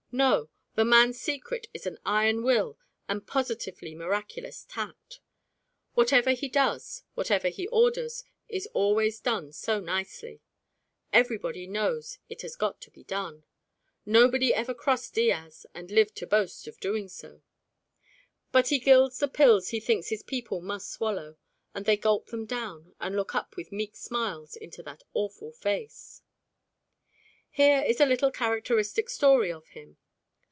No! the man's secret is an iron will and positively miraculous tact. Whatever he does, whatever he orders, is always done so nicely. Everybody knows it has got to be done. Nobody ever crossed Diaz and lived to boast of so doing. But he gilds the pills he thinks his people must swallow, and they gulp them down and look up with meek smiles into that awful face. Here is a little characteristic story of him.